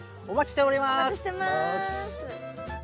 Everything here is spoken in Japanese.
お待ちしてます。